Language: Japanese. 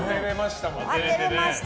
当てれました。